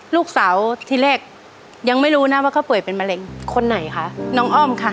ลูกสาวที่แรกยังไม่รู้นะว่าเขาป่วยเป็นมะเร็งคนไหนคะน้องอ้อมค่ะ